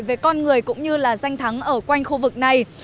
về con người cũng như là danh thắng ở quanh khu vực này